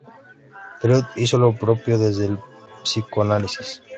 Freud hizo lo propio desde el psicoanálisis.